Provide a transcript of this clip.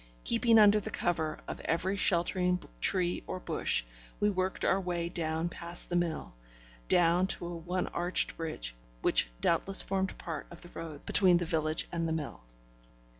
Keeping under the cover of every sheltering tree or bush, we worked our way down past the mill, down to a one arched bridge, which doubtless formed part of the road between the village and the mill.